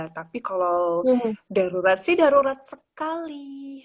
tapi kalau darurat sih darurat sekali